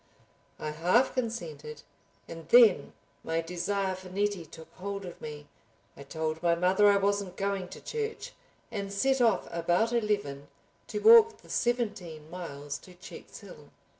I half consented, and then my desire for Nettie took hold of me. I told my mother I wasn't going to church, and set off about eleven to walk the seventeen miles to Checkshill.